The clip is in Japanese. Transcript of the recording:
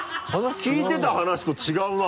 聞いてた話と違うな。